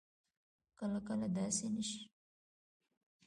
کله کله داسې نه شي